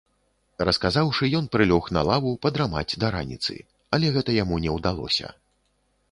Расказаўшы, ён прылёг на лаву падрамаць да раніцы, але гэта яму не ўдалося.